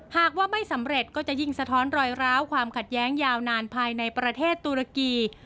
หากว่าไม่สำเร็จก็จะยิ่งสะท้อนรอยร้าวความขัดแย้งยาวนานภายในประเทศตุรกี